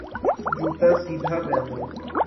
جوتا سیدھا پہنو